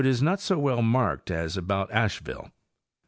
7) is not so well marked as about Asheville.